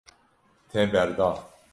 Te berda.